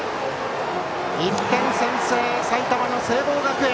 １点先制、埼玉の聖望学園。